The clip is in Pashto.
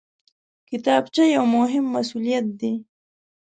کتابچه یو مهم مسؤلیت دی